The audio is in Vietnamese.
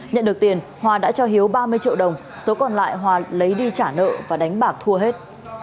nhận được tiền hòa đã cho hiếu ba mươi triệu đồng số còn lại hòa lấy đi trả nợ và đánh bạc thua hết